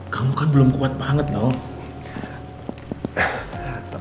kamu kan belum kuat banget dong